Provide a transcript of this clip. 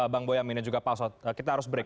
bang boyamin dan juga pak ustadz kita harus break